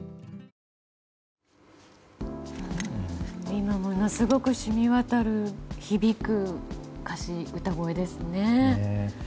今ものすごくしみわたる響く歌詞歌声ですよね。